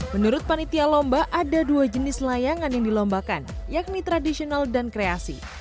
menurut panitia lomba ada dua jenis layangan yang dilombakan yakni tradisional dan kreasi